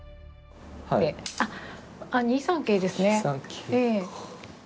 あ、２三桂ですね。